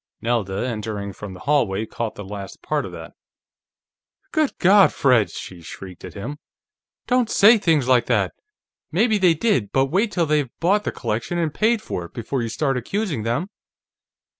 Nelda, entering from the hallway, caught the last part of that. "Good God, Fred!" she shrieked at him. "Don't say things like that! Maybe they did, but wait till they've bought the collection and paid for it, before you start accusing them!"